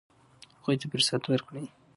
هغوی ته فرصت ورکړئ.